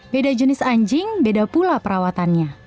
beda jenis anjing beda pula perawatannya